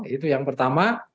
itu yang pertama